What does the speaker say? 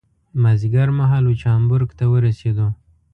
مازدیګر مهال و چې هامبورګ ته ورسېدو.